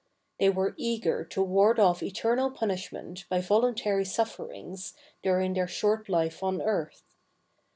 They were eager to ward off eternal punishment by volun tary sufferings during their short life on earth.